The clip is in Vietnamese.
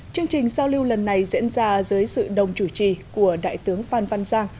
chương trình giao lưu lần này diễn ra dưới sự đồng chủ trì của đại tướng phan văn giang